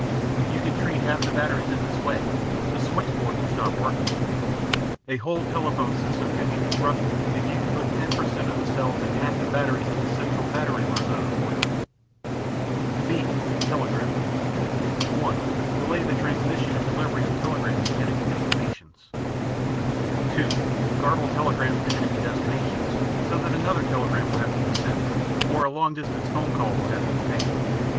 If you can treat half the batteries in this way, the switchboard will stop working. A whole telephone system can be disrupted if you can put 10 percent of the cells in half the batteries of the central battery room out of order. (b) Telegraph (1) Delay the transmission and delivery of telegrams to enemy destinations. (2) Garble telegrams to enemy destinations so that another telegram will have to be sent or a long distance call will have to be made.